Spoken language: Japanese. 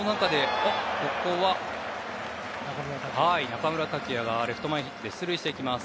中村剛也がレフト前ヒットで出塁していきます。